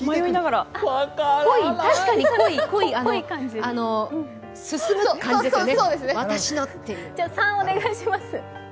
確かに、濃い、濃い、進むって感じですよね。